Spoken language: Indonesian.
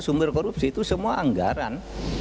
sumber korupsi itu semua anggaran